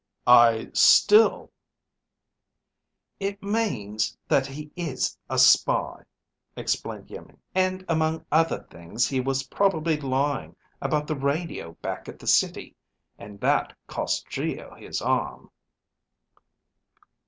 "I still " "It means that he is a spy," explained Iimmi, "and among other things, he was probably lying about the radio back at the city. And that cost Geo his arm."